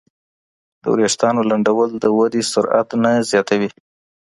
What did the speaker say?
د وریښتانو لنډول د ودې سرعت نه زیاتوي.